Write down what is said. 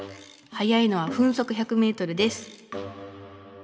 速いのは分速１００ｍです。